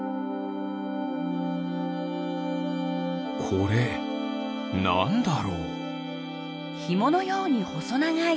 これなんだろう？